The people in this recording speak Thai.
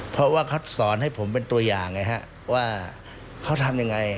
เพราะว่าเขาสอนให้ผมเป็นตัวอย่างไงฮะว่าเขาทำยังไง